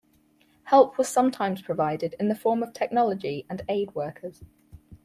Help was sometimes provided in the form of technology and aid-workers.